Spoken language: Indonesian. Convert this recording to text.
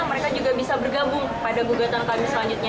mereka juga bisa bergabung pada gugatan kami selanjutnya